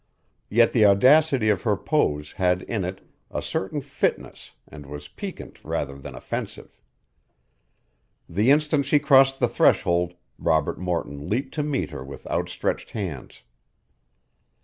Yet the audacity of her pose had in it a certain fitness and was piquant rather than offensive. The instant she crossed the threshold, Robert Morton leaped to meet her with outstretched hands.